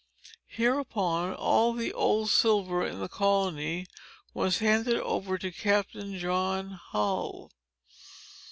Hereupon, all the old silver in the colony was handed over to Captain John Hull.